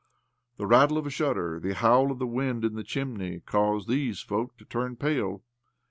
The rattle of a shutter, the howl of the wind in the chim ney, caused these folk to turn pale.